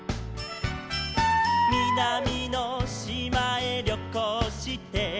「みなみのしまへりょこうして」